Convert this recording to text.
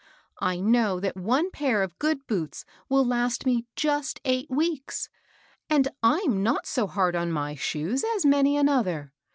I know that one pair of good boots will last me just eight weeks ; and I'm not so hard on my shoes as many another.